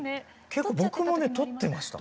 結構僕もね取ってました。